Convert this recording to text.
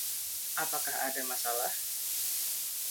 Apakah ada masalah?